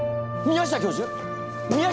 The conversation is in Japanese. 宮下教授！？